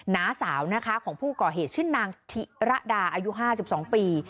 น้าสาวนะคะของผู้ก่อเหตุชื่อนางธิระดาอายุ๕๒ปี